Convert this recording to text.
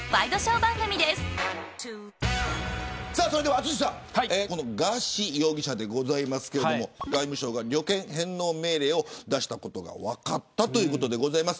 淳さん、ガーシー容疑者ですが外務省が旅券返納命令を出したことが分かったというところです。